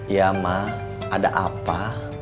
iya mak ada apa